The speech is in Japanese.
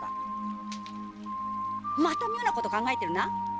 また妙なこと考えてるな⁉